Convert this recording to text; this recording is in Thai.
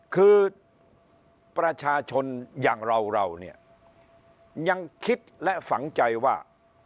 คือประชาชนอย่างเราเราเนี่ยยังคิดและฝังใจว่า